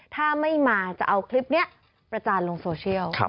ถ้าไม่มาจะเอาคลิปนี้ประจานลงโซเชียล